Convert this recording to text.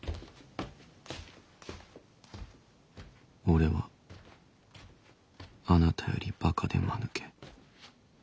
俺はあなたよりバカでまぬけ。